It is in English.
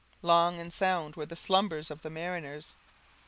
Long and sound were the slumbers of the mariners.